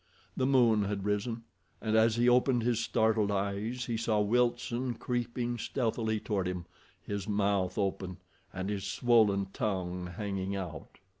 The moon had risen, and as he opened his startled eyes he saw Wilson creeping stealthily toward him, his mouth open and his swollen tongue hanging out.